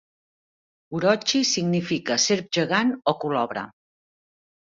"Orochi" significa "serp gegant" o "colobra".